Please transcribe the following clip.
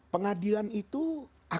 pengadilan itu akan berubah